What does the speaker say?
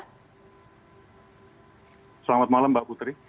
selamat malam mbak putri